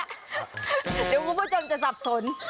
เดี๋ยวคุณผู้ชมจะสับสน